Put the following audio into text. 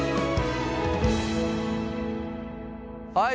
はい。